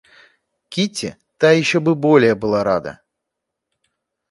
Кити, та еще бы более была рада.